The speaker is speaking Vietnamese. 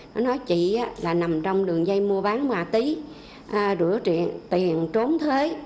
nó nói chị là nằm trong đường dây mua bán ma túy rửa tiền trốn thuế